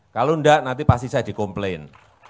kalau enggak nanti pasti saya dikomplain